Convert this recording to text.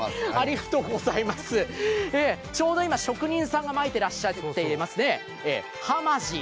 ちょうど今、職人さんがまいていらっしゃいますね。